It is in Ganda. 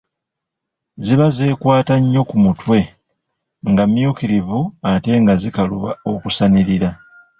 "Ziba zeekwata nnyo ku mutwe, nga mmyukirivu ate nga zikaluba okusanirira."